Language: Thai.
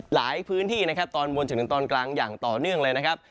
หลายพื้นที่นะครับตอนบนจนถึงตอนกลางอย่างต่อเนื่องเลยนะครับ